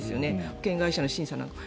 保険会社の審査なんかで。